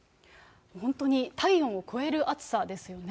本当に体温を超える暑さですよね。